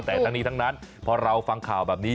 แต่ทั้งนี้ทั้งนั้นพอเราฟังข่าวแบบนี้